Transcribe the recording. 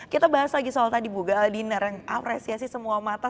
kita bahas lagi soal tadi google dinner yang apresiasi semua mata